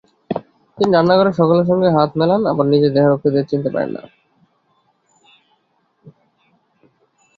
তিনি রান্নাঘরের সকলের সঙ্গেও হাত মেলান, আবার নিজের দেহরক্ষীদেরও চিনতে পারেন না।